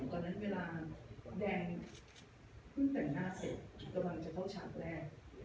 ตอนนั้นเวลาแดงขึ้นแต่งหน้าเสร็จกำลังจะเข้าฉากแรก